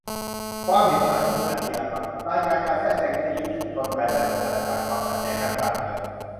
'ความเห็นต่าง' คือ อาชญากรรม : รายงานการแทรกแซงวิทยุชุมชนภายใต้สถานการณ์ความขัดแย้งทางการเมือง